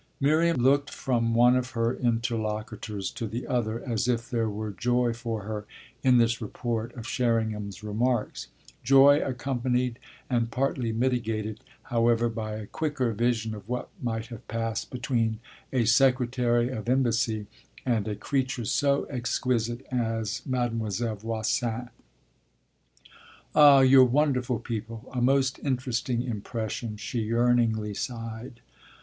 Miriam looked from one of her interlocutors to the other as if there were joy for her in this report of Sherringham's remarks joy accompanied and partly mitigated, however, by a quicker vision of what might have passed between a secretary of embassy and a creature so exquisite as Mademoiselle Voisin. "Ah you're wonderful people a most interesting impression!" she yearningly sighed.